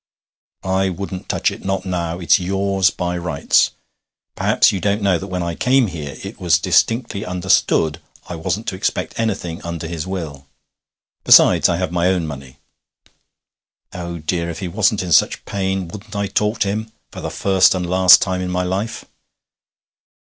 I wouldn't touch it not now; it's yours by rights. Perhaps you don't know that when I came here it was distinctly understood I wasn't to expect anything under his will. Besides, I have my own money ... Oh dear! If he wasn't in such pain, wouldn't I talk to him for the first and last time in my life!'